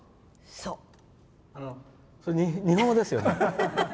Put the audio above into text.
それ、日本語ですよね？